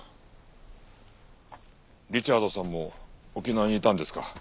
リチャードさんも沖縄にいたんですか？